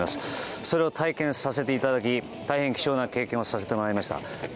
それを体験させていただき大変、貴重な経験をさせていただきました。